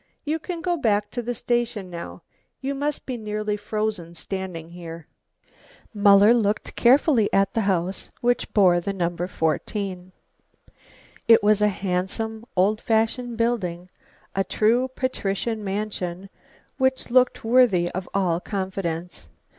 You can go back to the station now, you must be nearly frozen standing here." Muller looked carefully at the house which bore the number 14. It was a handsome, old fashioned building, a true patrician mansion which looked worthy of all confidence.